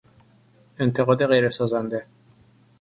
انتقاد غیرسازنده